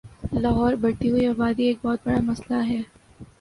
لاہور بڑھتی ہوئی آبادی ایک بہت بڑا مسلہ ہے